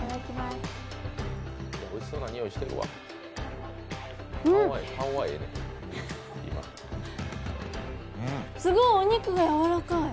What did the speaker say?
うん、すごいお肉がやわらかい！